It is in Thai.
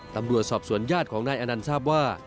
ตำรวจสอบสวนญาติของนายอนันต์ทราบว่า